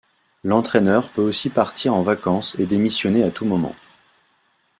L'entraineur peut aussi partir en vacances et démissionner à tout moment.